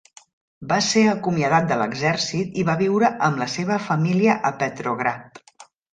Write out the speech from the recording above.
Va ser acomiadat de l'exèrcit i va viure amb la seva família a Petrograd.